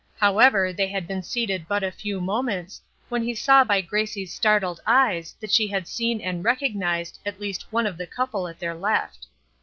However, they had been seated but a few moments, when he saw by Gracie's startled eyes that she had seen and recognized at least one of the couple at their left.